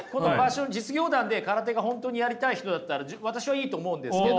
実業団で空手が本当にやりたい人だったら私はいいと思うんですけど。